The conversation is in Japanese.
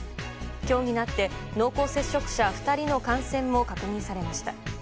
今日になって濃厚接触者２人の感染も確認されました。